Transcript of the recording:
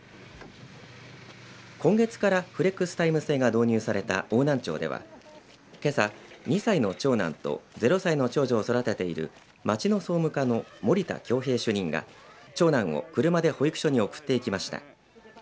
今月からフレックスタイム制が導入された邑南町では、けさ２歳の長男と０歳の長女を育てている町の総務課の森田恭平主任が長男を車で保育所に送っていきました。